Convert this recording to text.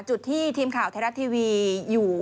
จุดที่ทีมข่าวไทยรัฐทีวีอยู่